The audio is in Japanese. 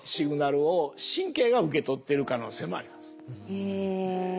へえ。